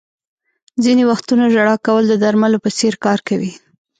• ځینې وختونه ژړا کول د درملو په څېر کار کوي.